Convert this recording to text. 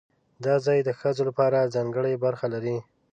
دا ځای د ښځو لپاره ځانګړې برخه لري.